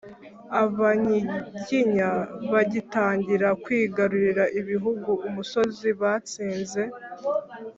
abanyiginya bagitangira kwigarurira ibihugu, umusozi batsinze